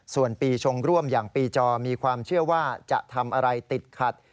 ส่วนปีชงร่วมอย่างปีจอมีความเชื่อว่าจะทำอะไรติดขัด